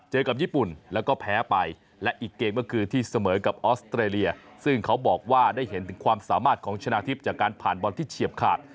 กับญี่ปุ่นแล้วก็แพ้ไปและอีกเกมก็คือที่เสมอกับออสเตรเลียซึ่งเขาบอกว่าได้เห็นถึงความสามารถของชนะทิพย์จากการผ่านบอลที่เฉียบขาด